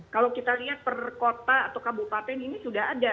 kalau kita lihat perkota atau kabupaten ini sudah ada